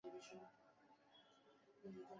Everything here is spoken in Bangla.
প্লিজ শোনো আমার কথা।